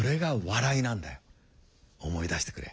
思い出してくれ。